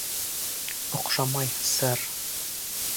— Оҡшамай, сэр.